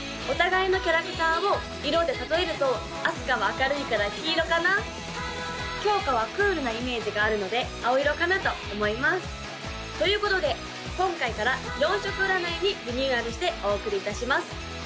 お互いのキャラクターを色で例えるとあすかは明るいから黄色かなきょうかはクールなイメージがあるので青色かなと思いますということで今回から４色占いにリニューアルしてお送りいたします